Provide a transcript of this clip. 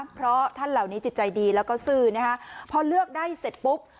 เพราะท่านเหล่านี้จิตใจดีแล้วก็ซื่อนะคะพอเลือกได้เสร็จปุ๊บ